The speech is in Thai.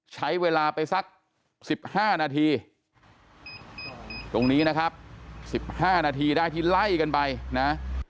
ใช้เวลาไปสัก๑๕นาทีตรงนี้นะครับ๑๕นาทีได้ที่ไล่กันไปนะ